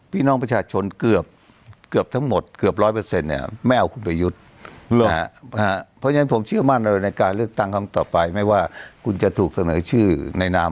พ่อน้องประชาชนเกือบทั้งหมด๑๐๐ไม่เอาคนไปยุด